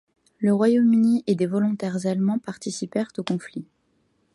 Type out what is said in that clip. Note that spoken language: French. Le Royaume-Uni et des volontaires allemands participèrent au conflit.